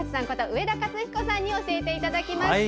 上田勝彦さんに教えていただきました。